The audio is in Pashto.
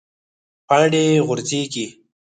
پاڼې غورځیږي